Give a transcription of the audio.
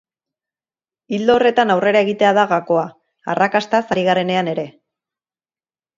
Ildo horretan aurrera egitea da gakoa, arrakastaz ari garenean ere.